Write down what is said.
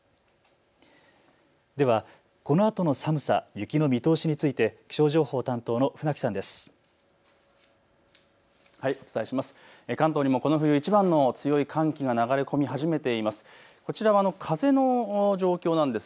では、このあとの寒さ、雪の見通しについて気象情報担当の船木さんです。